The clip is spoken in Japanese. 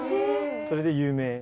それで有名。